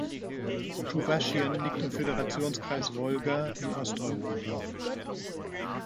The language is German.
Tschuwaschien liegt im Föderationskreis Wolga in Osteuropa.